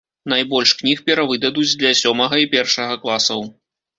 Найбольш кніг перавыдадуць для сёмага і першага класаў.